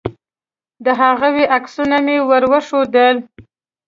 د هغوی عکسونه مې ور وښودل.